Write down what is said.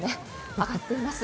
上がっています。